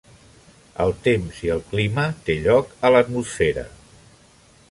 El temps, i el clima té lloc en l'atmosfera.